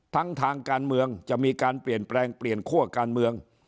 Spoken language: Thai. ทางการเมืองจะมีการเปลี่ยนแปลงเปลี่ยนคั่วการเมือง